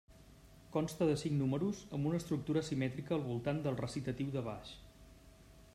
Consta de cinc números amb una estructura simètrica al voltant del recitatiu de baix.